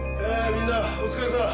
みんなお疲れさん。